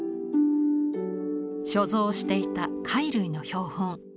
所蔵していた貝類の標本。